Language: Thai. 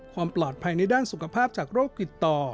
ความปลอดภัยในด้านสุขภาพจากโรคติดต่อ